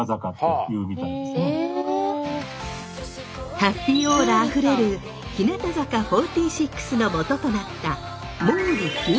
ハッピーオーラあふれる日向坂４６のもととなった毛利日向